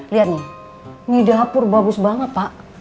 lihat nih ini dapur bagus banget pak